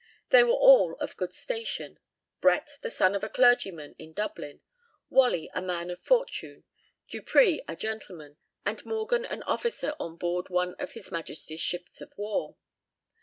They were all of good station Brett the son of a clergyman in Dublin, Whalley a man of fortune, Dupree a gentleman, and Morgan an officer on board one of His Majesty's ships of war.